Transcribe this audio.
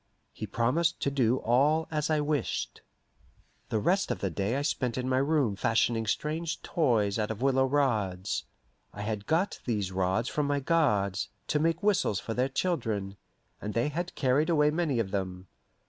He promised to do all as I wished. The rest of the day I spent in my room fashioning strange toys out of willow rods. I had got these rods from my guards, to make whistles for their children, and they had carried away many of them.